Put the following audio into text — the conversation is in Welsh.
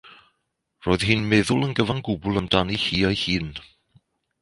Roedd hi'n meddwl yn gyfan gwbl amdani hi ei hun.